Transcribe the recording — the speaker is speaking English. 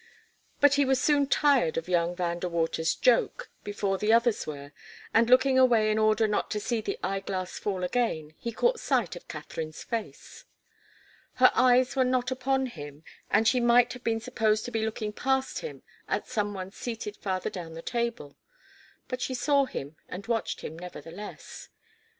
But he was soon tired of young Van De Water's joke, before the others were, and looking away in order not to see the eyeglass fall again, he caught sight of Katharine's face. Her eyes were not upon him, and she might have been supposed to be looking past him at some one seated farther down the table, but she saw him and watched him, nevertheless.